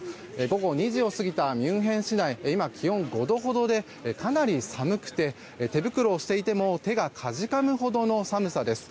午後２時を過ぎたミュンヘン市内は今、気温は５度ほどでかなり寒くて、手袋をしていても手がかじかむほどの寒さです。